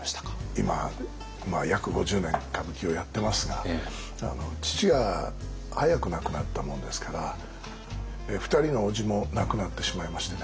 今約５０年歌舞伎をやってますが父が早く亡くなったもんですから２人のおじも亡くなってしまいましてね